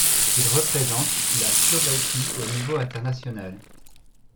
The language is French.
Il représente la Slovaquie au niveau international.